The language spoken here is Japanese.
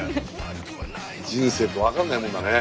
人生って分かんないもんだね。